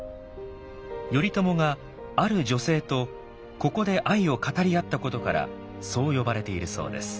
頼朝がある女性とここで愛を語り合ったことからそう呼ばれているそうです。